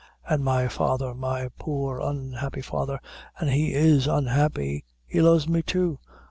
An' my father my poor unhappy father an' he is unhappy he loves me, too.